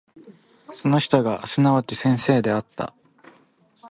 その人がすなわち先生であった。